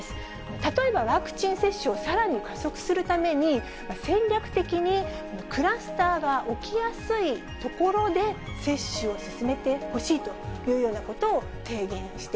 例えば、ワクチン接種をさらに加速するために、戦略的にクラスターが起きやすい所で接種を進めてほしいというよ